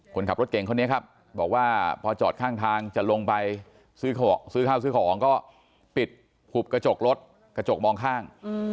คนขับรถเก่งคนนี้ครับบอกว่าพอจอดข้างทางจะลงไปซื้อข้าวซื้อของก็ปิดหุบกระจกรถกระจกมองข้าง